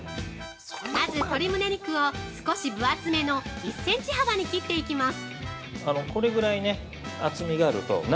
◆まず、鶏むね肉を少し分厚めの１センチ幅に切っていきます。